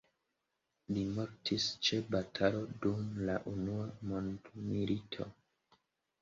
Li mortis ĉe batalo dum la unua mondmilito.